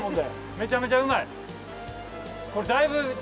めちゃめちゃうまい。